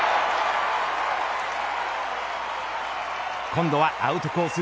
今度はアウトコース